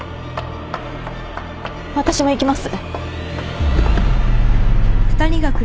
私も行きます。